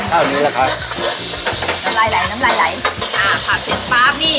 ข้าวนี้แหละค่ะน้ำไหล่ไหลน้ำไหลไหลอ่าผักเสร็จปั๊บนี่